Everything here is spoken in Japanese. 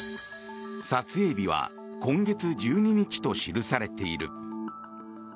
撮影日は今月１２日と記されている。